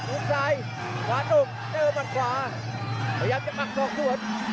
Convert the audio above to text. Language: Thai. หลุมซ้ายหลักหนุ่มเติบมันขวาพยายามจะปักส่องสวด